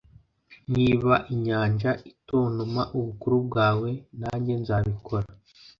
niba inyanja itontoma ubukuru bwawe, nanjye nzabikora